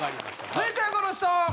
続いてはこの人！